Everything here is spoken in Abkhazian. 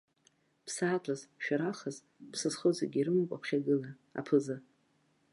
Ԥсаатәыз, шәарахыз, ԥсы зхоу зегьы ирымоуп аԥхьагыла, аԥыза.